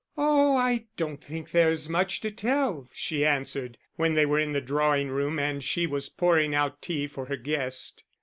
"Oh, I don't think there's much to tell," she answered, when they were in the drawing room and she was pouring out tea for her guest.